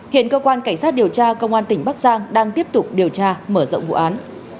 hiện cơ quan cảnh sát điều tra công an tỉnh bắc giang đang tiếp tục điều tra mở rộng vụ án